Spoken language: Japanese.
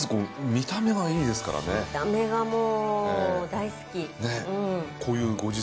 見た目がもう大好き。